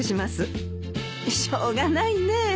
しょうがないねえ。